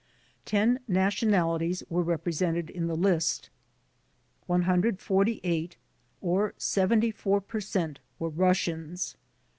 Ten nationalities were repre sented in the list. One himdred forty eight or 74 per cent were Russians.